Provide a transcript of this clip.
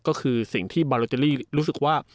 ก็คือสิ่งที่บาโลเจอรี่รู้สึกว่า